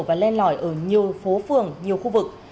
và len lỏi ở nhiều phố phường nhiều khu vực